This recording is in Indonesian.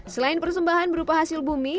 selain persembahan berupa hasil bumi